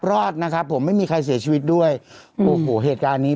รอดนะครับผมไม่มีใครเสียชีวิตด้วยโอ้โหเหตุการณ์นี้